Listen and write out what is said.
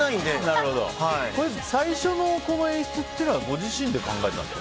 最初のこの演出はご自身で考えたんですか。